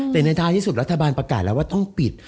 แต่ในท้ายที่สุดรัฐบาลประกาศแล้วว่าต้องปิด